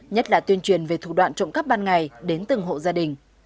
nhất là tuyên truyền về thủ đoạn trộm cắp ban ngày đến từng hộ gia đình